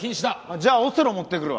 じゃあオセロ持ってくるわ。